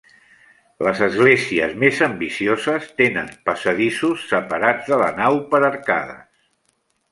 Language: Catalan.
Les esglésies més ambicioses tenen passadissos separats de la nau per arcades.